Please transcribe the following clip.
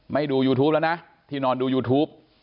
ดูยูทูปแล้วนะที่นอนดูยูทูป